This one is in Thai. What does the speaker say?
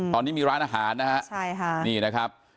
ตอนนี้มีร้านอาหารนะครับ